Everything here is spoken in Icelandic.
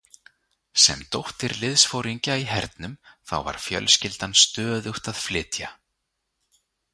Sem dóttir liðsforingja í hernum þá var fjölskyldan stöðugt að flytja.